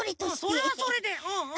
それはそれでうんうん。